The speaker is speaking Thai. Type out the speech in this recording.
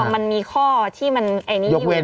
มันมีข้อที่มันไอ้นี่อยู่